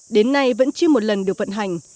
đến nay vẫn chưa một lần được vận hành